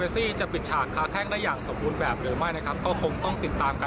นี่เป็นที่ผมอยากทำ